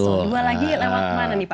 dua lagi lewat kemana nih pak